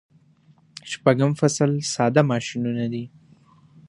شپږم فصل ساده ماشینونه دي.